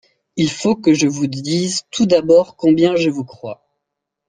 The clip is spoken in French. Il faut que je vous dise tout d’abord combien je vous crois.